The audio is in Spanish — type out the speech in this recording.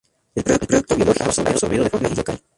El producto biológico será absorbido de forma lenta y local.